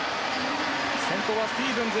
先頭はスティーブンズ。